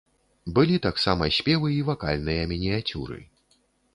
Былі таксама спевы і вакальныя мініяцюры.